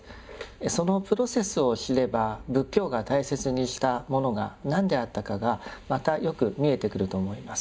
そのプロセスを知れば仏教が大切にしたものが何であったかがまたよく見えてくると思います。